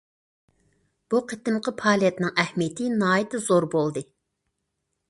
بۇ قېتىمقى پائالىيەتنىڭ ئەھمىيىتى ناھايىتى زور بولدى.